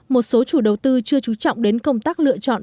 một số chủ đầu tư chưa trú trọng đến công tác lựa chọn